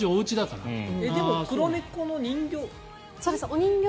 でも黒猫のお人形。